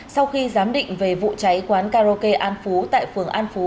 sau khi giám định về vụ cháy quán karaoke an phú tại phường an phú